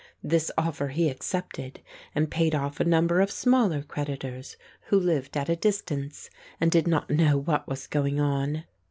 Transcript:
This offer he accepted and paid off a number of smaller creditors, who lived at a distance and did not know what was going on.